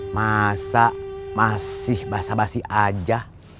masa masih basah basih aja